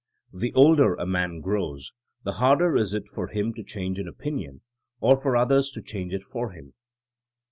The older a man grows, the harder it is for him to change an opinion — or for others to change it for him.